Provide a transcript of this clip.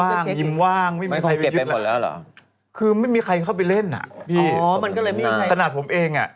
บ้างยิมว่างไม่มีใครไปยืนแล้วคือไม่มีใครเข้าไปเล่นอ่ะพี่สนับผมเองอ่ะ